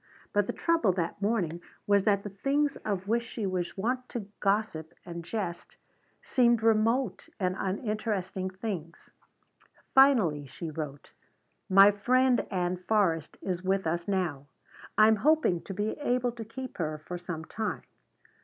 But the trouble that morning was that the things of which she was wont to gossip and jest seemed remote and uninteresting things. Finally she wrote: "My friend Ann Forrest is with us now. I am hoping to be able to keep her for some time.